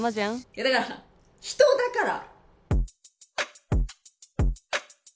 いやだから人だから。